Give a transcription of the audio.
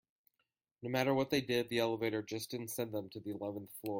No matter what they did, the elevator just didn't send them to the eleventh floor.